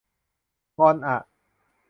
งอนอะ